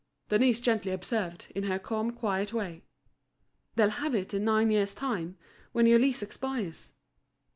Denise gently observed, in her calm, quiet way: "They'll have it in nine years' time, when your lease expires."